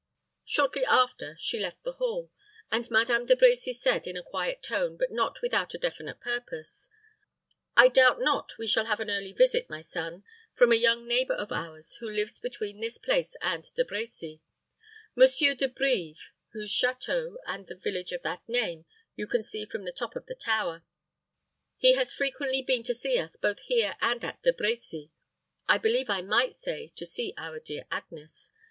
Shortly after she left the hall; and Madame De Brecy said, in a quiet tone, but not without a definite purpose, "I doubt not we shall have an early visit, my son, from a young neighbor of ours who lives between this place and De Brecy: Monsieur De Brives, whose château, and the village of that name you can see from the top of the tower. He has frequently been to see us both here and at De Brecy I believe I might say to see our dear Agnes.